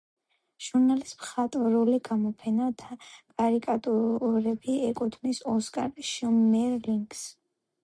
ჟურნალის მხატვრული გაფორმება და კარიკატურები ეკუთვნის ოსკარ შმერლინგს.